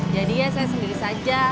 jadi ya saya sendiri saja